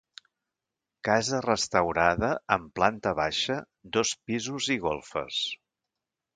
Casa restaurada amb planta baixa, dos pisos i golfes.